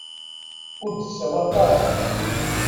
Ur d-tsawaleḍ ara.